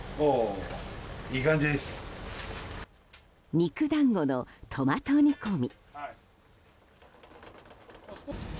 肉団子のトマト煮込み。